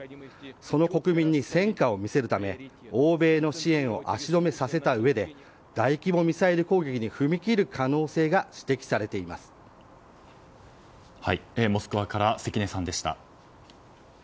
その国民に戦果を見せるため欧米の支援を足止めさせたうえで大規模ミサイル攻撃に踏み切る可能性がモスクワから関根さんでした。